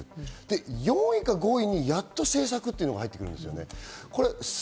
４位か５位にやっと政策っていうのが入ってるんですよね。